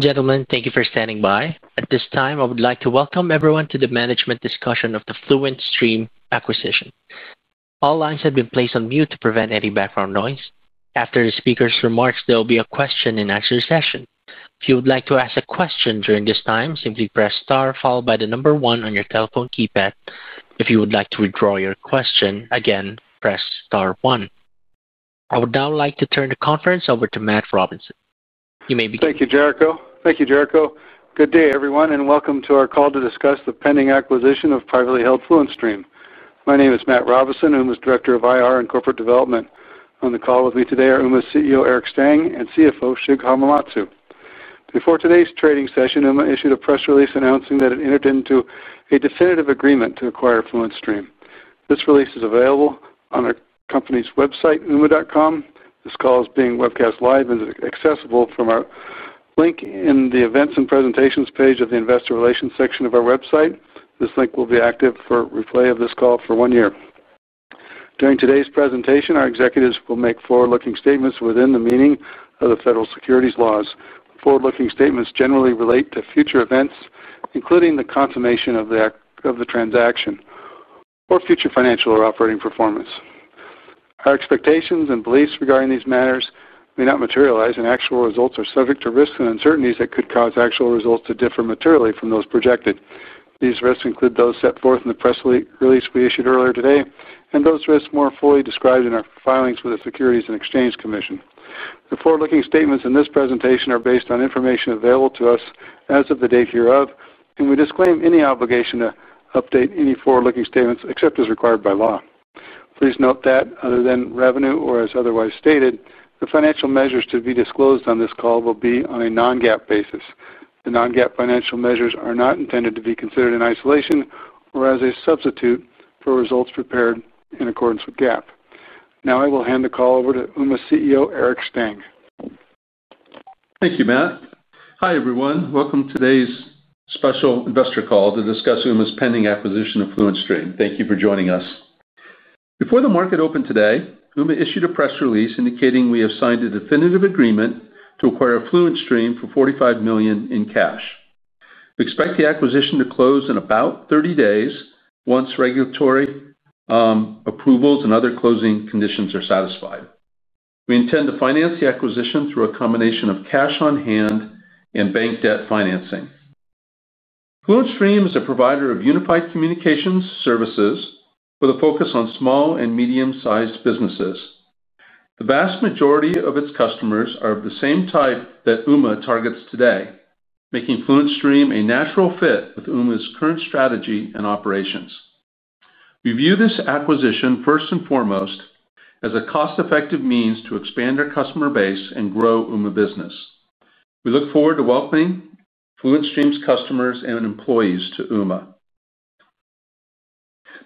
Gentlemen, thank you for standing by. At this time, I would like to welcome everyone to the management discussion of the FluentStream acquisition. All lines have been placed on mute to prevent any background noise. After the speaker's remarks, there will be a question-and-answer session. If you would like to ask a question during this time, simply press star followed by the number one on your telephone keypad. If you would like to withdraw your question again, press star one. I would now like to turn the conference over to Matt Robison. You may begin. Thank you, Jericho. Good day, everyone, and welcome to our call to discuss the pending acquisition of privately held FluentStream. My name is Matt Robison, Ooma's Director of IR and Corporate Development. On the call with me today are Ooma's CEO, Eric Stang, and CFO, Shig Hamamatsu. Before today's trading session, Ooma issued a press release announcing that it entered into a definitive agreement to acquire FluentStream. This release is available on our company's website, ooma.com. This call is being webcast live and accessible from our link in the events and presentations page of the investor relations section of our website. This link will be active for replay of this call for one year. During today's presentation, our executives will make forward-looking statements within the meaning of the federal securities laws. Forward-looking statements generally relate to future events, including the consummation of the transaction or future financial or operating performance. Our expectations and beliefs regarding these matters may not materialize, and actual results are subject to risks and uncertainties that could cause actual results to differ materially from those projected. These risks include those set forth in the press release we issued earlier today and those risks more fully described in our filings with the Securities and Exchange Commission. The forward-looking statements in this presentation are based on information available to us as of the date hereof, and we disclaim any obligation to update any forward-looking statements except as required by law. Please note that, other than revenue or as otherwise stated, the financial measures to be disclosed on this call will be on a non-GAAP basis. The non-GAAP financial measures are not intended to be considered in isolation or as a substitute for results prepared in accordance with GAAP. Now, I will hand the call over to Ooma's CEO, Eric Stang. Thank you, Matt. Hi, everyone. Welcome to today's special investor call to discuss Ooma's pending acquisition of FluentStream. Thank you for joining us. Before the market opened today, Ooma issued a press release indicating we have signed a definitive agreement to acquire FluentStream for $45 million in cash. We expect the acquisition to close in about 30 days once regulatory approvals and other closing conditions are satisfied. We intend to finance the acquisition through a combination of cash on hand and bank debt financing. FluentStream is a provider of unified communications services with a focus on small and medium-sized businesses. The vast majority of its customers are of the same type that Ooma targets today, making FluentStream a natural fit with Ooma's current strategy and operations. We view this acquisition first and foremost as a cost-effective means to expand our customer base and grow Ooma business. We look forward to welcoming FluentStream's customers and employees to Ooma.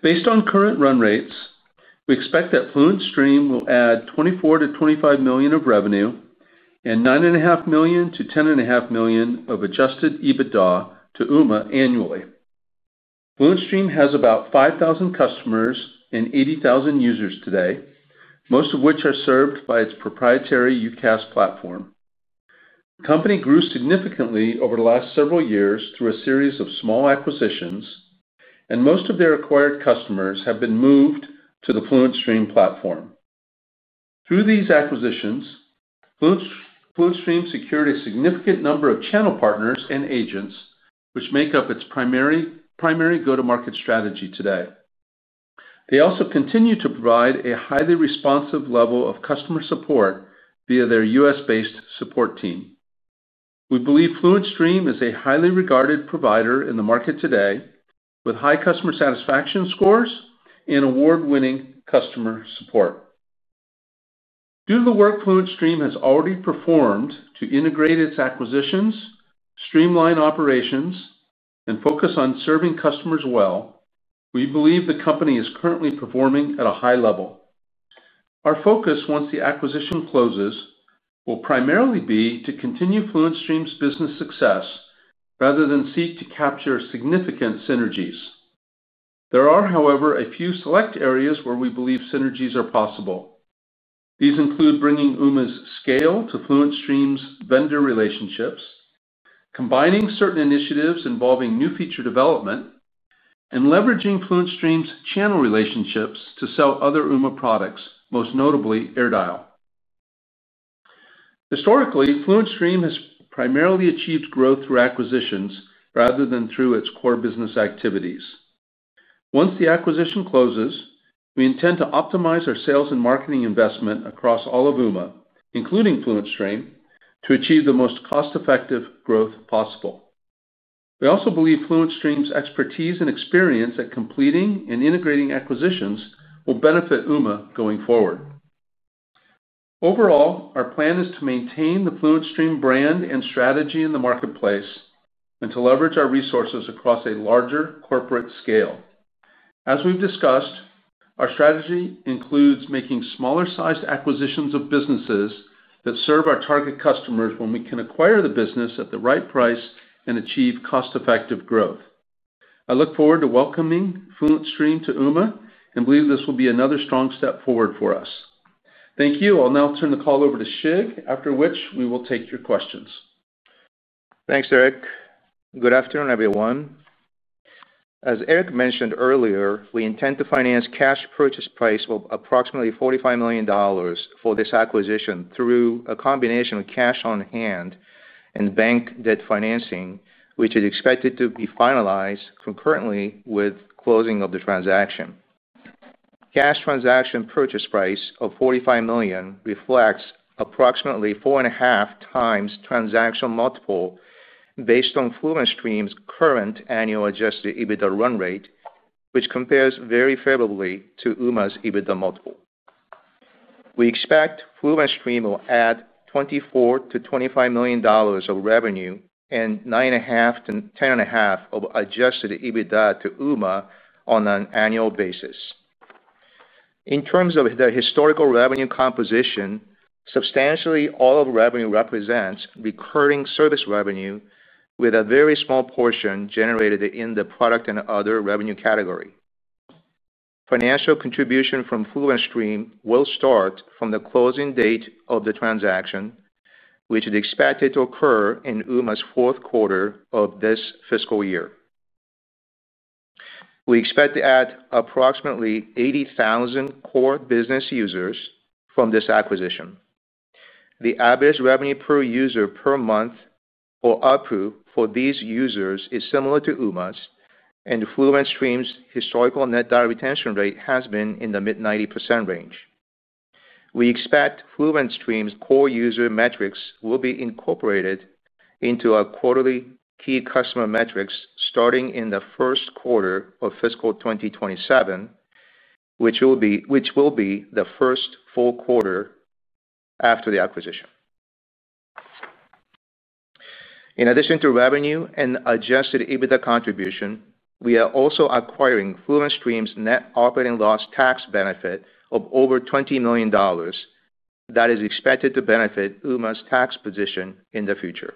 Based on current run rates, we expect that FluentStream will add $24 million-$25 million of revenue and $9.5 million-$10.5 million of adjusted EBITDA to Ooma annually. FluentStream has about 5,000 customers and 80,000 users today, most of which are served by its proprietary UCaaS platform. The company grew significantly over the last several years through a series of small acquisitions, and most of their acquired customers have been moved to the FluentStream platform. Through these acquisitions, FluentStream secured a significant number of channel partners and agents, which make up its primary go-to-market strategy today. They also continue to provide a highly responsive level of customer support via their U.S.-based support team. We believe FluentStream is a highly regarded provider in the market today, with high customer satisfaction scores and award-winning customer support. Due to the work FluentStream has already performed to integrate its acquisitions, streamline operations, and focus on serving customers well, we believe the company is currently performing at a high level. Our focus, once the acquisition closes, will primarily be to continue FluentStream's business success rather than seek to capture significant synergies. There are, however, a few select areas where we believe synergies are possible. These include bringing Ooma's scale to FluentStream's vendor relationships, combining certain initiatives involving new feature development, and leveraging FluentStream's channel relationships to sell other Ooma products, most notably AirDial. Historically, FluentStream has primarily achieved growth through acquisitions rather than through its core business activities. Once the acquisition closes, we intend to optimize our sales and marketing investment across all of Ooma, including FluentStream, to achieve the most cost-effective growth possible. We also believe FluentStream's expertise and experience at completing and integrating acquisitions will benefit Ooma going forward. Overall, our plan is to maintain the FluentStream brand and strategy in the marketplace and to leverage our resources across a larger corporate scale. As we've discussed, our strategy includes making smaller-sized acquisitions of businesses that serve our target customers when we can acquire the business at the right price and achieve cost-effective growth. I look forward to welcoming FluentStream to Ooma and believe this will be another strong step forward for us. Thank you. I'll now turn the call over to Shig, after which we will take your questions. Thanks, Eric. Good afternoon, everyone. As Eric mentioned earlier, we intend to finance cash purchase price of approximately $45 million for this acquisition through a combination of cash on hand and bank debt financing, which is expected to be finalized concurrently with closing of the transaction. Cash transaction purchase price of $45 million reflects approximately 4.5x transactional multiple based on FluentStream's current annual adjusted EBITDA run rate, which compares very favorably to Ooma's EBITDA multiple. We expect FluentStream will add $24 million-$25 million of revenue and $9.5 million-$10.5 million of adjusted EBITDA to Ooma on an annual basis. In terms of the historical revenue composition, substantially all of revenue represents recurring service revenue, with a very small portion generated in the product and other revenue category. Financial contribution from FluentStream will start from the closing date of the transaction, which is expected to occur in Ooma's fourth quarter of this fiscal year. We expect to add approximately 80,000 core business users from this acquisition. The average revenue per user per month or ARPU for these users is similar to Ooma's, and FluentStream's historical net dollar retention rate has been in the mid-90% range. We expect FluentStream's core user metrics will be incorporated into our quarterly key customer metrics starting in the first quarter of fiscal 2027, which will be the first full quarter after the acquisition. In addition to revenue and adjusted EBITDA contribution, we are also acquiring FluentStream's net operating loss tax benefit of over $20 million that is expected to benefit Ooma's tax position in the future.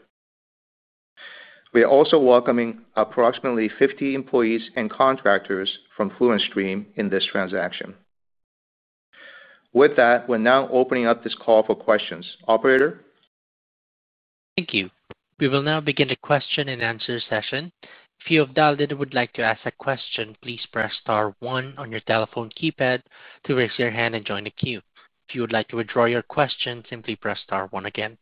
We are also welcoming approximately 50 employees and contractors from FluentStream in this transaction. With that, we're now opening up this call for questions. Operator? Thank you. We will now begin the question and answer session. If you have dialed in and would like to ask a question, please press star one on your telephone keypad to raise your hand and join the queue. If you would like to withdraw your question, simply press star one again.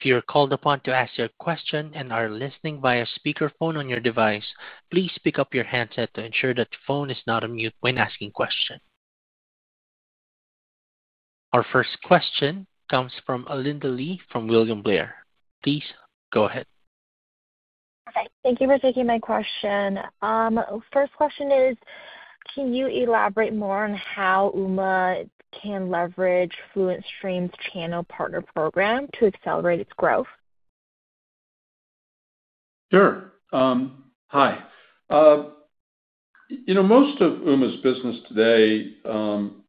If you are called upon to ask your question and are listening via speakerphone on your device, please pick up your handset to ensure that the phone is not on mute when asking questions. Our first question comes from Alinda Li from William Blair. Please go ahead. Perfect. Thank you for taking my question. First question is, can you elaborate more on how Ooma can leverage FluentStream's channel partner program to accelerate its growth? Sure. Hi. Most of Ooma's business today on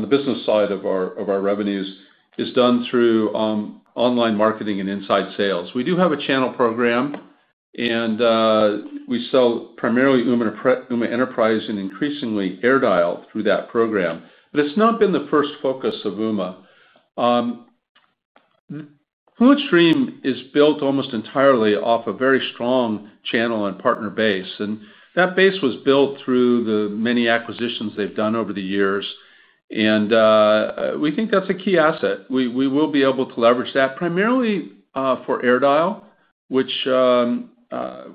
the business side of our revenues is done through online marketing and inside sales. We do have a channel program. We sell primarily Ooma Enterprise and increasingly AirDial through that program. It has not been the first focus of Ooma. FluentStream is built almost entirely off a very strong channel and partner base. That base was built through the many acquisitions they've done over the years. We think that's a key asset. We will be able to leverage that primarily for AirDial, which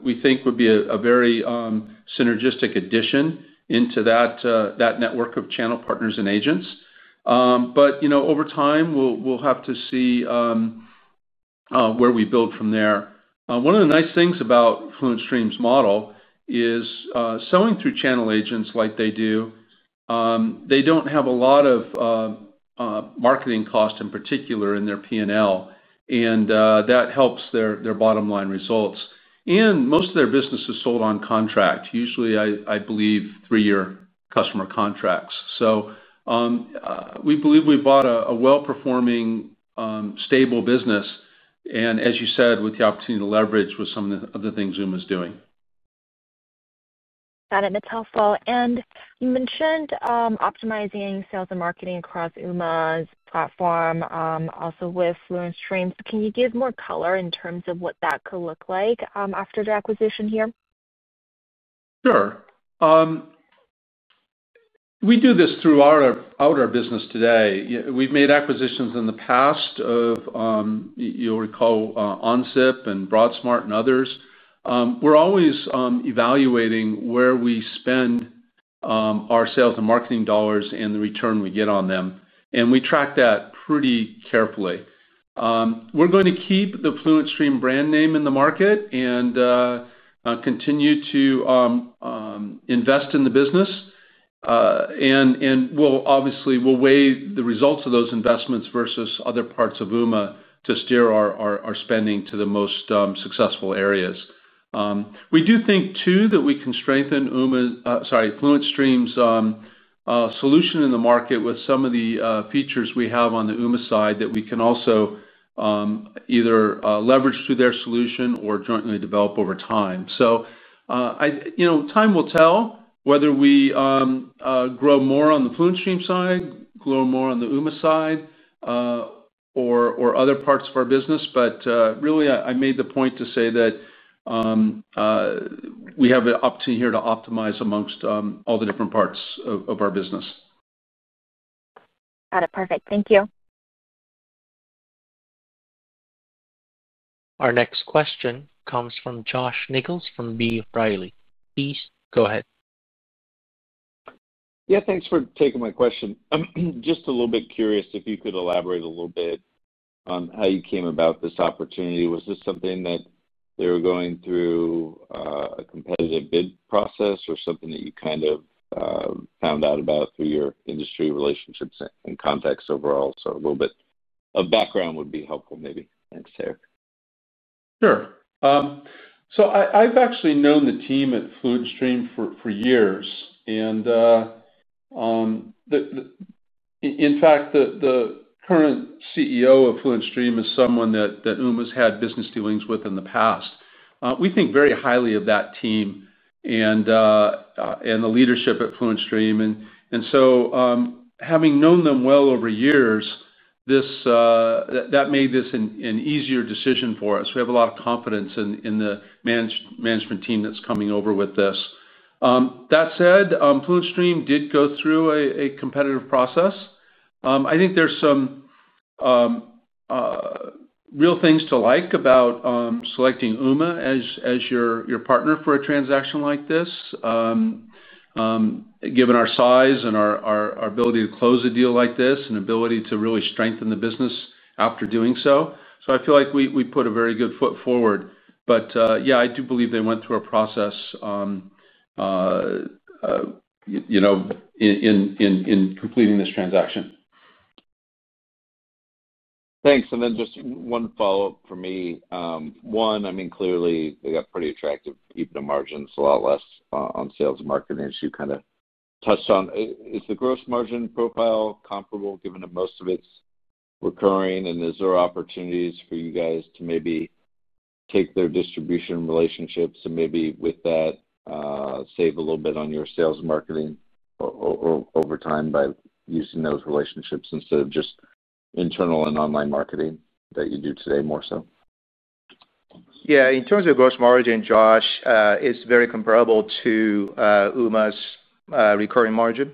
we think would be a very synergistic addition into that network of channel partners and agents. Over time, we'll have to see where we build from there. One of the nice things about FluentStream's model is selling through channel agents like they do. They do not have a lot of marketing cost in particular in their P&L, and that helps their bottom-line results. Most of their business is sold on contract, usually, I believe, three-year customer contracts. We believe we've bought a well-performing, stable business, with the opportunity to leverage with some of the other things Ooma's doing. Got it. That's helpful. You mentioned optimizing sales and marketing across Ooma's platform. Also with FluentStream. Can you give more color in terms of what that could look like after the acquisition here? Sure. We do this throughout our business today. We've made acquisitions in the past. You'll recall, OnSIP and Broadsmart and others. We're always evaluating where we spend our sales and marketing dollars and the return we get on them. We track that pretty carefully. We're going to keep the FluentStream brand name in the market and continue to invest in the business. Obviously, we'll weigh the results of those investments versus other parts of Ooma to steer our spending to the most successful areas. We do think, too, that we can strengthen Ooma's—sorry, FluentStream's solution in the market with some of the features we have on the Ooma side that we can also either leverage through their solution or jointly develop over time. Time will tell whether we grow more on the FluentStream side, grow more on the Ooma side, or other parts of our business. Really, I made the point to say that we have an opportunity here to optimize amongst all the different parts of our business. Got it. Perfect. Thank you. Our next question comes from Josh Nichols from B. Riley. Please go ahead. Yeah. Thanks for taking my question. Just a little bit curious if you could elaborate a little bit on how you came about this opportunity. Was this something that they were going through, a competitive bid process, or something that you kind of found out about through your industry relationships and context overall? So a little bit of background would be helpful, maybe. Thanks, Eric. Sure. I've actually known the team at FluentStream for years. In fact, the current CEO of FluentStream is someone that Ooma's had business dealings with in the past. We think very highly of that team and the leadership at FluentStream. Having known them well over years, that made this an easier decision for us. We have a lot of confidence in the management team that's coming over with this. That said, FluentStream did go through a competitive process. I think there are some real things to like about selecting Ooma as your partner for a transaction like this, given our size and our ability to close a deal like this and ability to really strengthen the business after doing so. I feel like we put a very good foot forward. I do believe they went through a process in completing this transaction. Thanks. And then just one follow-up for me. One, I mean, clearly, they got pretty attractive EBITDA margins. It's a lot less on sales and marketing, as you kind of touched on. Is the gross margin profile comparable, given that most of it's recurring? And is there opportunities for you guys to maybe take their distribution relationships and maybe with that, save a little bit on your sales and marketing over time by using those relationships instead of just internal and online marketing that you do today more so? Yeah. In terms of gross margin, Josh, it's very comparable to Ooma's recurring margin.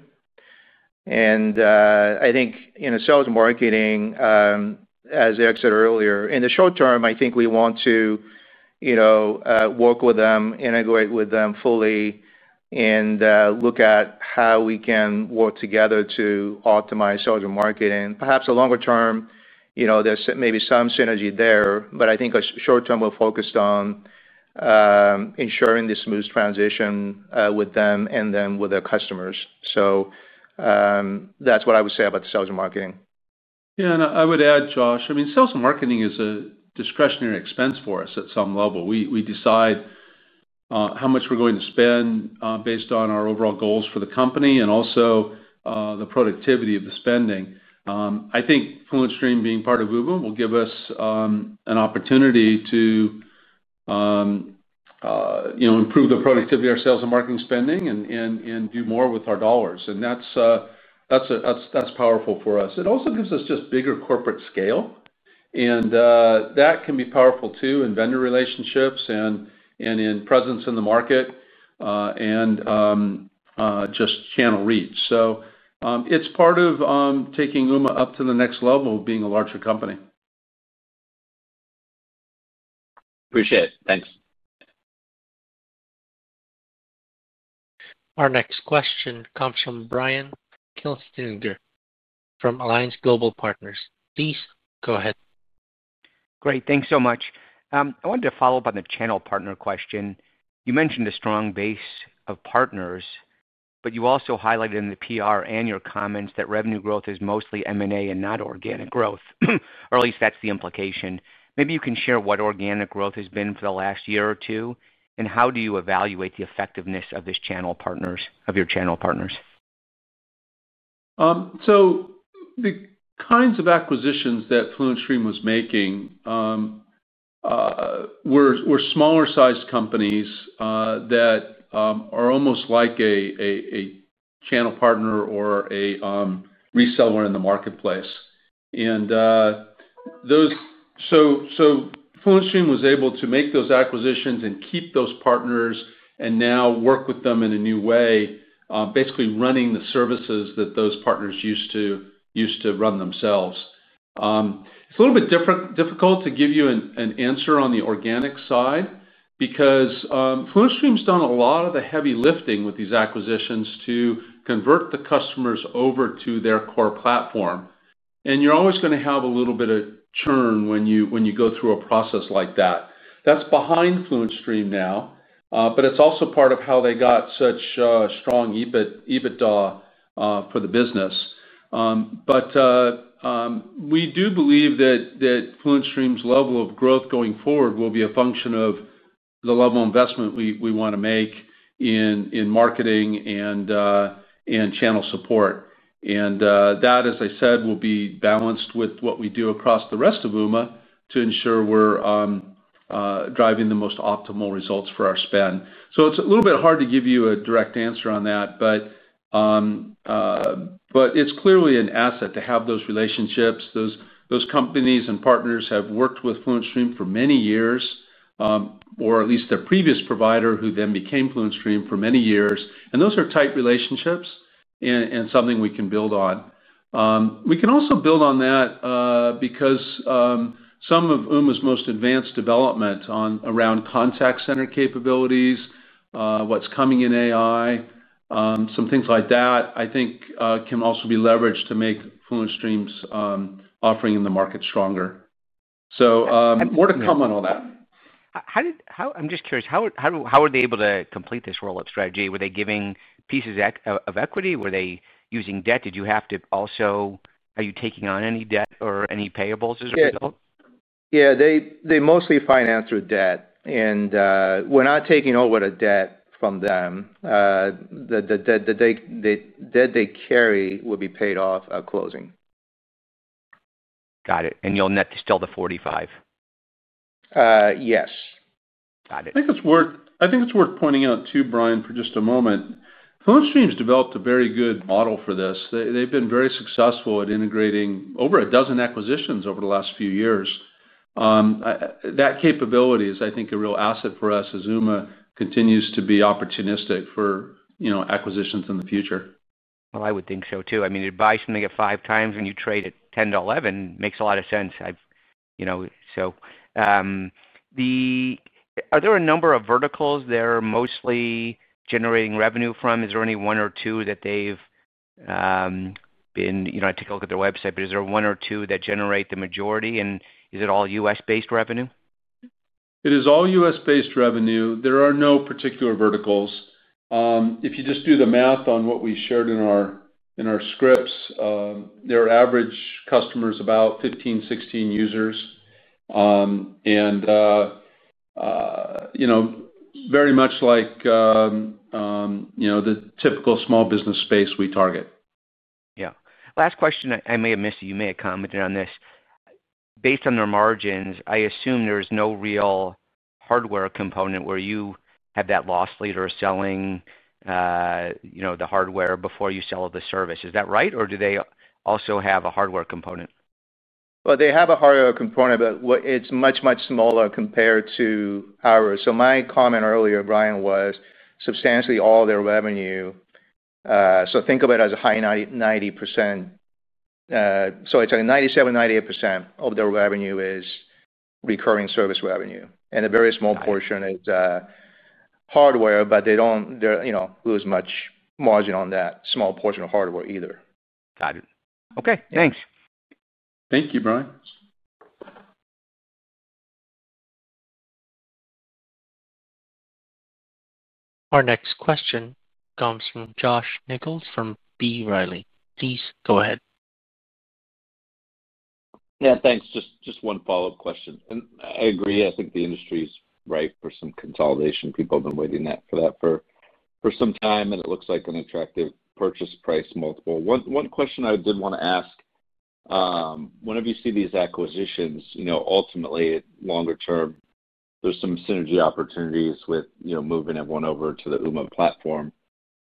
I think in sales and marketing, as Eric said earlier, in the short term, I think we want to work with them, integrate with them fully, and look at how we can work together to optimize sales and marketing. Perhaps the longer term, there's maybe some synergy there. I think short term we're focused on ensuring the smooth transition with them and then with their customers. That's what I would say about the sales and marketing. Yeah. I would add, Josh, I mean, sales and marketing is a discretionary expense for us at some level. We decide how much we're going to spend based on our overall goals for the company and also the productivity of the spending. I think FluentStream being part of Ooma will give us an opportunity to improve the productivity of our sales and marketing spending and do more with our dollars. That's powerful for us. It also gives us just bigger corporate scale. That can be powerful too in vendor relationships and in presence in the market. Just channel reach. It's part of taking Ooma up to the next level of being a larger company. Appreciate it. Thanks. Our next question comes from Brian Kinstlinger from Alliance Global Partners. Please go ahead. Great. Thanks so much. I wanted to follow up on the channel partner question. You mentioned a strong base of partners, but you also highlighted in the PR and your comments that revenue growth is mostly M&A and not organic growth, or at least that's the implication. Maybe you can share what organic growth has been for the last year or two, and how do you evaluate the effectiveness of your channel partners? The kinds of acquisitions that FluentStream was making were smaller-sized companies that are almost like a channel partner or a reseller in the marketplace. FluentStream was able to make those acquisitions and keep those partners and now work with them in a new way, basically running the services that those partners used to run themselves. It's a little bit difficult to give you an answer on the organic side because FluentStream's done a lot of the heavy lifting with these acquisitions to convert the customers over to their core platform. You're always going to have a little bit of churn when you go through a process like that. That's behind FluentStream now, but it's also part of how they got such strong EBITDA for the business. We do believe that FluentStream's level of growth going forward will be a function of the level of investment we want to make in marketing and channel support. That, as I said, will be balanced with what we do across the rest of Ooma to ensure we're driving the most optimal results for our spend. It's a little bit hard to give you a direct answer on that, but it's clearly an asset to have those relationships. Those companies and partners have worked with FluentStream for many years, or at least their previous provider who then became FluentStream for many years. Those are tight relationships and something we can build on. We can also build on that because some of Ooma's most advanced development around contact center capabilities, what's coming in AI, some things like that, I think, can also be leveraged to make FluentStream's offering in the market stronger. More to come on all that. I'm just curious. How were they able to complete this roll-up strategy? Were they giving pieces of equity? Were they using debt? Did you have to also—are you taking on any debt or any payables as a result? Yeah. They mostly financed through debt. We're not taking over the debt from them. The debt they carry will be paid off at closing. Got it. And you'll net to still the $45 million? Yes. Got it. I think it's worth pointing out too, Brian, for just a moment, FluentStream's developed a very good model for this. They've been very successful at integrating over a dozen acquisitions over the last few years. That capability is, I think, a real asset for us as Ooma continues to be opportunistic for acquisitions in the future. I would think so too. I mean, you're buying something at five times, and you trade at 10 to 11. Makes a lot of sense. Are there a number of verticals they're mostly generating revenue from? Is there any one or two that they've been—I took a look at their website, but is there one or two that generate the majority, and is it all US-based revenue? It is all U.S.-based revenue. There are no particular verticals. If you just do the math on what we shared in our scripts, their average customer is about 15-16 users. Very much like the typical small business space we target. Yeah. Last question, I may have missed—you may have commented on this. Based on their margins, I assume there's no real hardware component where you have that loss later selling the hardware before you sell the service. Is that right, or do they also have a hardware component? They have a hardware component, but it's much, much smaller compared to ours. My comment earlier, Brian, was substantially all their revenue—think of it as a high 90%. It's like 97%-98% of their revenue is recurring service revenue. A very small portion is hardware, but they don't lose much margin on that small portion of hardware either. Got it. Okay. Thanks. Thank you, Brian. Our next question comes from Josh Nichols from B. Riley. Please go ahead. Yeah. Thanks. Just one follow-up question. I agree. I think the industry is ripe for some consolidation. People have been waiting for that for some time, and it looks like an attractive purchase price multiple. One question I did want to ask. Whenever you see these acquisitions, ultimately, longer term, there's some synergy opportunities with moving everyone over to the Ooma platform.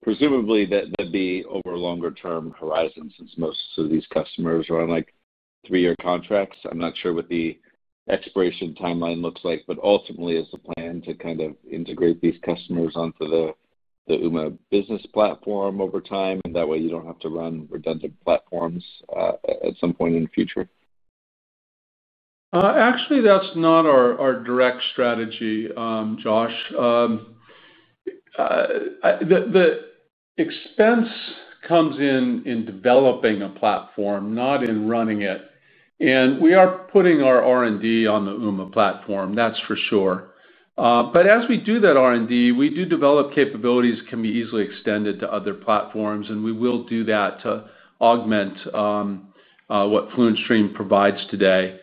Presumably, that'd be over a longer-term horizon since most of these customers are on three-year contracts. I'm not sure what the expiration timeline looks like, but ultimately, is the plan to kind of integrate these customers onto the Ooma business platform over time? That way, you don't have to run redundant platforms at some point in the future. Actually, that's not our direct strategy, Josh. The expense comes in developing a platform, not in running it. We are putting our R&D on the Ooma platform, that's for sure. As we do that R&D, we do develop capabilities that can be easily extended to other platforms, and we will do that to augment what FluentStream provides today.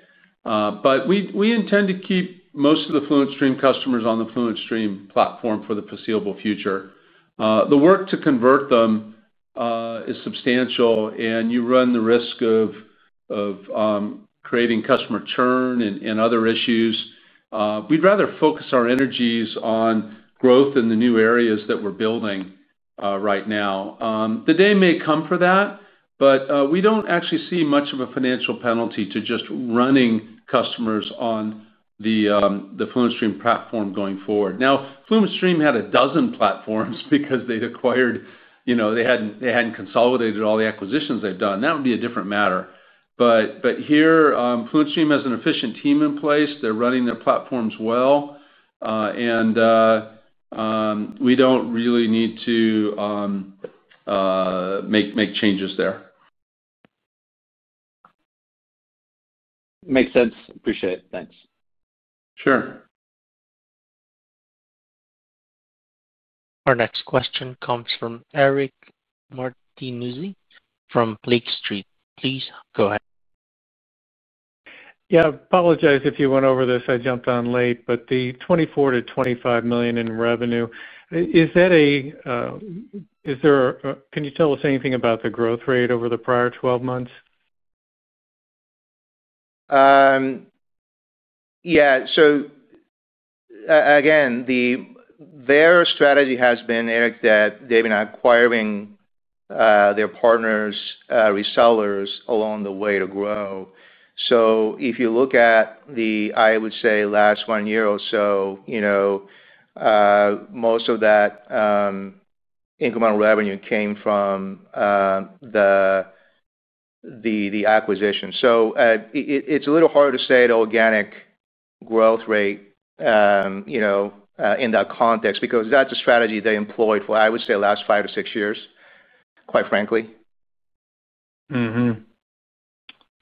We intend to keep most of the FluentStream customers on the FluentStream platform for the foreseeable future. The work to convert them is substantial, and you run the risk of creating customer churn and other issues. We'd rather focus our energies on growth in the new areas that we're building right now. The day may come for that, but we don't actually see much of a financial penalty to just running customers on the FluentStream platform going forward. Now, if FluentStream had a dozen platforms because they'd acquired—they hadn't consolidated all the acquisitions they've done—that would be a different matter. Here, FluentStream has an efficient team in place. They're running their platforms well. We don't really need to make changes there. Makes sense. Appreciate it. Thanks. Sure. Our next question comes from Eric Martinuzzi from Lake Street. Please go ahead. Yeah. Apologize if you went over this. I jumped on late, but the $24 million-$25 million in revenue, is there a—can you tell us anything about the growth rate over the prior 12 months? Yeah. Again, their strategy has been, Eric, that they've been acquiring their partners, resellers along the way to grow. If you look at the, I would say, last one year or so, most of that incremental revenue came from the acquisition. It's a little hard to say the organic growth rate in that context because that's a strategy they employed for, I would say, the last five to six years, quite frankly.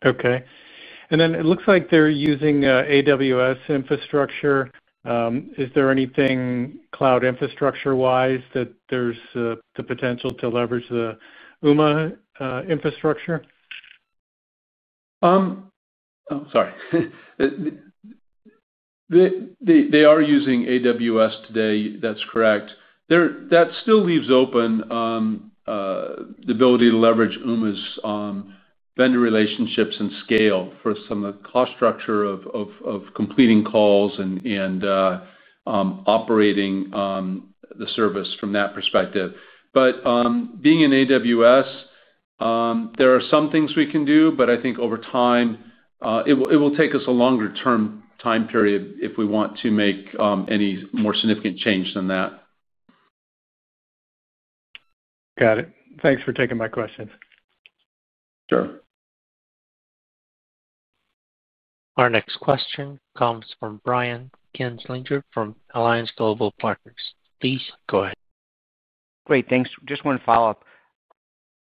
Okay. And then it looks like they're using AWS infrastructure. Is there anything cloud infrastructure-wise that there's the potential to leverage the Ooma infrastructure? Oh, sorry. They are using AWS today. That's correct. That still leaves open the ability to leverage Ooma's vendor relationships and scale for some of the cost structure of completing calls and operating the service from that perspective. Being in AWS, there are some things we can do, but I think over time, it will take us a longer-term time period if we want to make any more significant change than that. Got it. Thanks for taking my questions. Sure. Our next question comes from Brian Kinstlinger from Alliance Global Partners. Please go ahead. Great. Thanks. Just want to follow up.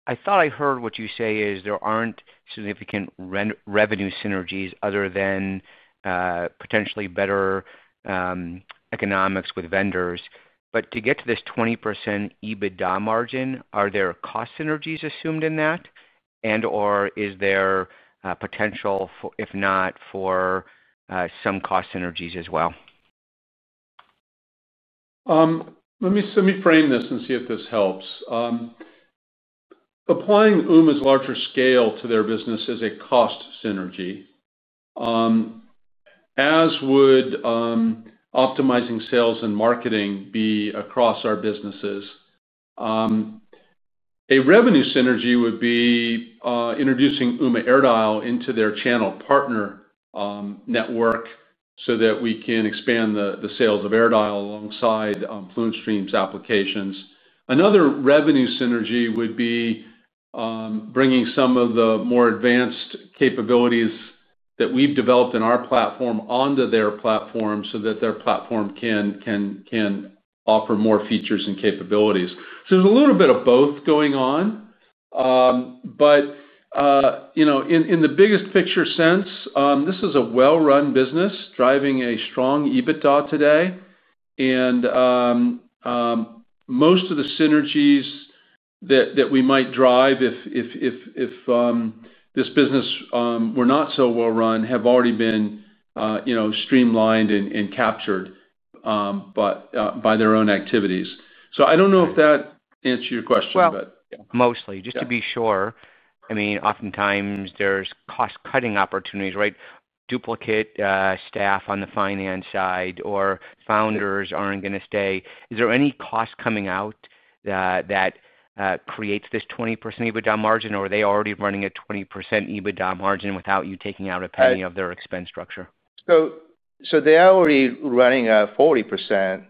I thought I heard what you say is there aren't significant revenue synergies other than potentially better economics with vendors. To get to this 20% EBITDA margin, are there cost synergies assumed in that, and/or is there potential, if not, for some cost synergies as well? Let me frame this and see if this helps. Applying Ooma's larger scale to their business is a cost synergy. As would optimizing sales and marketing be across our businesses. A revenue synergy would be introducing Ooma AirDial into their channel partner network so that we can expand the sales of AirDial alongside FluentStream's applications. Another revenue synergy would be bringing some of the more advanced capabilities that we've developed in our platform onto their platform so that their platform can offer more features and capabilities. There's a little bit of both going on. In the biggest picture sense, this is a well-run business driving a strong EBITDA today. Most of the synergies that we might drive if this business were not so well-run have already been streamlined and captured by their own activities. I don't know if that answers your question, but. Mostly. Just to be sure, I mean, oftentimes, there's cost-cutting opportunities, right? Duplicate staff on the finance side or founders aren't going to stay. Is there any cost coming out that creates this 20% EBITDA margin, or are they already running at 20% EBITDA margin without you taking out a penny of their expense structure? They're already running a 40%—close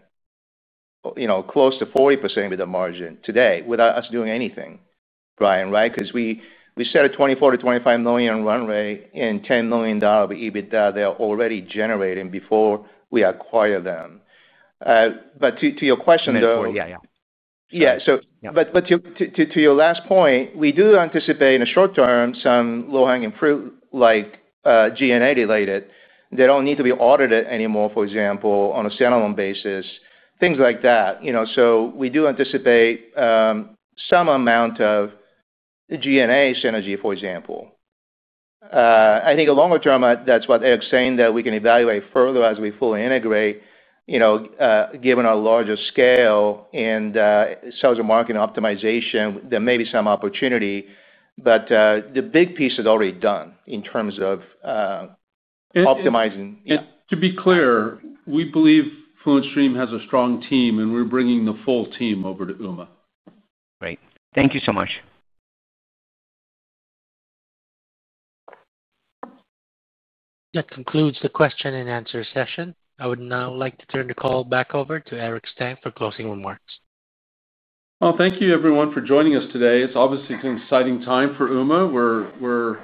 to 40% EBITDA margin today without us doing anything, Brian, right? Because we set a $24 million-$25 million run rate and $10 million of EBITDA they're already generating before we acquire them. To your question though. Yeah. Yeah. Yeah. To your last point, we do anticipate in the short term some low-hanging fruit like G&A-related. They do not need to be audited anymore, for example, on a standalone basis, things like that. We do anticipate some amount of G&A synergy, for example. I think longer term, that is what Eric is saying, that we can evaluate further as we fully integrate. Given our larger scale and sales and marketing optimization, there may be some opportunity. The big piece is already done in terms of optimizing. To be clear, we believe FluentStream has a strong team, and we're bringing the full team over to Ooma. Great. Thank you so much. That concludes the question and answer session. I would now like to turn the call back over to Eric Stang for closing remarks. Thank you, everyone, for joining us today. It's obviously an exciting time for Ooma. We're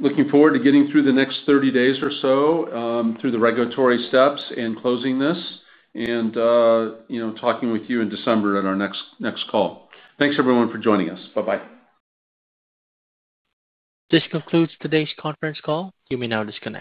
looking forward to getting through the next 30 days or so through the regulatory steps and closing this and talking with you in December at our next call. Thanks, everyone, for joining us. Bye-bye. This concludes today's conference call. You may now disconnect.